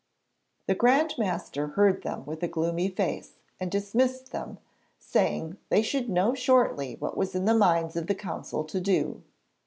The Grand Master heard them with a gloomy face, and dismissed them, saying, they should know shortly what was in the minds of the council to do.